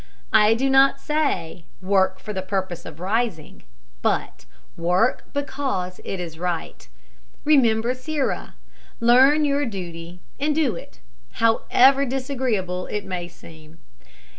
I do not say, Work for the purpose of rising, but, Work because it is right. Remember Sirrah. Learn your duty, and do it, however disagreeable it may seem.